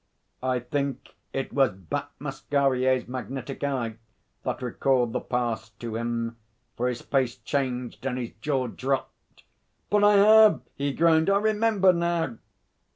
I think it was Bat Masquerier's magnetic eye that recalled the past to him, for his face changed and his jaw dropped. 'But I have!' he groaned. 'I remember now.'